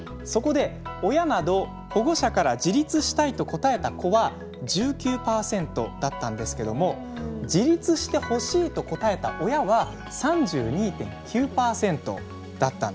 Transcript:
そこで親など保護者から自立したいと答えた子は１９％だったんですけども自立してほしいと答えた親は３２．９％だったんです。